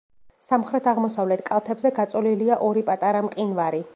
სამხრეთ-აღმოსავლეთ კალთებზე გაწოლილია ორი პატარა მყინვარი.